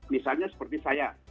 misalnya seperti saya